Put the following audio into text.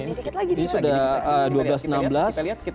iya sebentar lagi